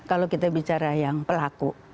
kalau kita bicara yang pelaku